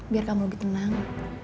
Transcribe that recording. biar kamu lebih tenang